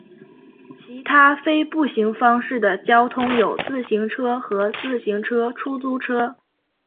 其他非步行方式的交通有自行车和自行车出租车。